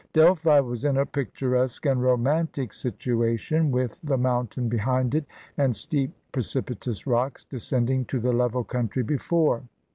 Delphi was in a picturesque and romantic situation, with the mountain behind it, and steep, pre cipitous rocks descending to the level country before.